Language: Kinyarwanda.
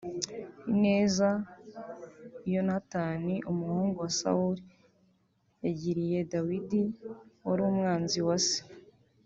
Ineza Yonatani umuhungu wa Sawuli yagiriye Dawidi wari umwanzi wa Se